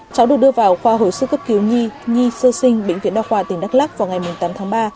cháu được đưa vào khoa hồi sức cấp cứu nhi nhi sơ sinh bệnh viện đa khoa tỉnh đắk lắc vào ngày tám tháng ba